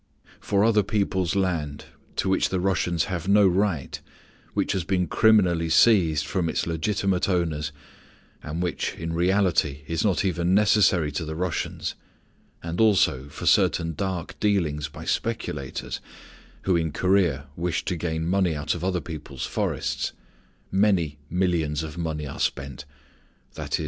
For other people's land, to which the Russians have no right, which has been criminally seized from its legitimate owners, and which, in reality, is not even necessary to the Russians and also for certain dark dealings by speculators, who in Korea wished to gain money out of other people's forests many millions of money are spent, _i.e.